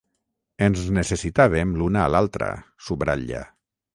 Ens necessitàvem l’una a l’altra, subratlla.